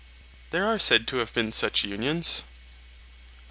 There are said of have been such unions.